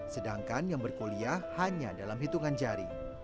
sedangkan yang berkuliah hanya dalam hitungan jari